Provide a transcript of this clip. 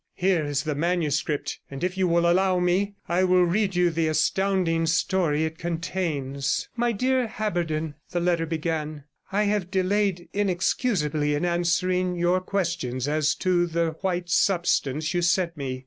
Here is the manuscript, and if you will allow me, I will read you the astounding story it contains. 'My dear Haberden,' the letter began, 'I have delayed inexcusably in answering your questions as to the white substance you sent me.